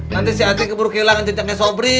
nanti si aceh keburu kehilangan cincangnya sobri